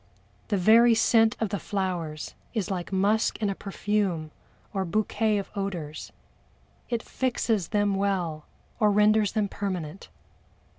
The very scent of the flowers is like musk in a perfume or "bouquet" of odors it fixes them well, or renders them permanent.